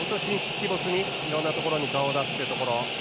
鬼没にいろんなところに顔を出すというところ。